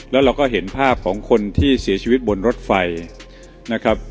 แล้วเราก็เห็นภาพของคนที่เสียชีวิตบนรถไฟนะครับ